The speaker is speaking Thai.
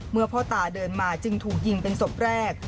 พ่อตาเดินมาจึงถูกยิงเป็นศพแรก